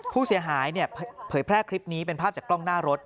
ผู้เสียหายเผยแพร่คลิปนี้เป็นภาพจากกล้องหน้ารถ